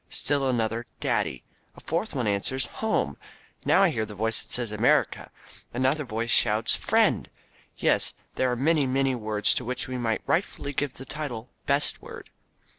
Still another, "Daddy." A fourth one answers, "Home." Now I hear a voice that says, "America." Another voice shouts, "Friend." Yes, there are many, many words to which we might rightfully give the title "best word."